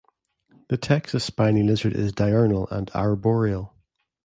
The Texas spiny lizard is diurnal and arboreal.